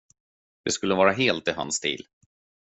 Det skulle vara helt i hans stil.